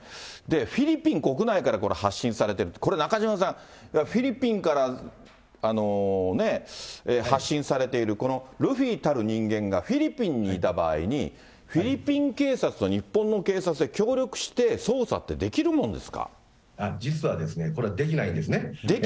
フィリピン国内から、これ、発信されてる、中島さん、フィリピンから発信されている、このルフィたる人間が、フィリピンにいた場合に、フィリピン警察と日本の警察で協実はこれ、できないんですね。